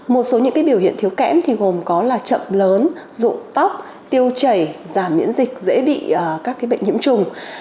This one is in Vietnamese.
một số những biểu hiện thiếu kẽm gồm là chậm lớn rụng tóc tiêu chảy giảm miễn dịch dễ bị các bệnh nhiễm trùng